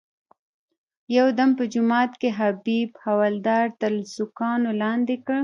یو دم په جومات کې حبیب حوالدار تر سوکانو لاندې کړ.